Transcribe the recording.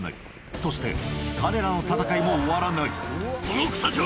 そして彼らの戦いも終わらない。